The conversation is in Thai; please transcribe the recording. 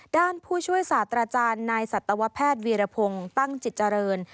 ด้านผู้ช่วยศาตราจารย์นายศัตรวแพทย์เวียระพงตั้งจิตเจริญ